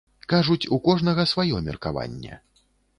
Кажуць, у кожнага сваё меркаванне.